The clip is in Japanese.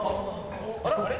あれ？